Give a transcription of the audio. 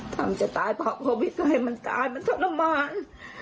มันจะตายเพราะโควิดก็ให้มันตายมันทรมาน